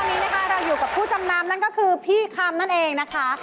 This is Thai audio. วันนี้นะคะเราอยู่กับผู้จำนำนั่นก็คือพี่คำนั่นเองนะคะ